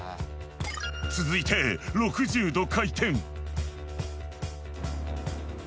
続いて６０度回転。